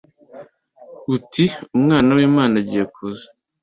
uti “Umwana w’Imana agiye kuza